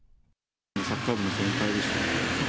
サッカー部の先輩でした。